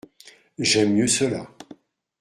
J’aime mieux cela !…